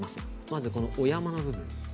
まず、お山の部分。